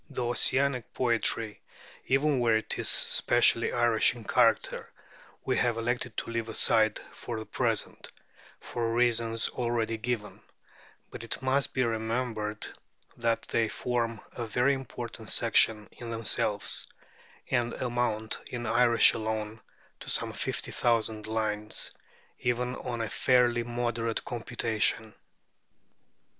The Ossianic poetry, even where it is specially Irish in character, we have elected to leave aside for the present, for reasons already given; but it must be remembered that they form a very important section in themselves, and amount in Irish alone to some fifty thousand lines, even on a fairly moderate computation.